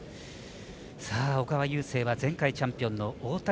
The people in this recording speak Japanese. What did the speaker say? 小川雄勢は前回チャンピオンの太田彪